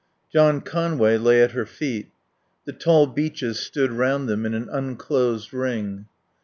John Conway lay at her feet. The tall beeches stood round them in an unclosed ring.